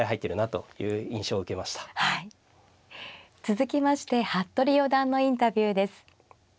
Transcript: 続きまして服部四段のインタビューです。